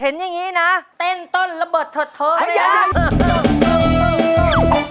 เห็นอย่างนี้นะเต้นต้นระเบิดเถิดท้อง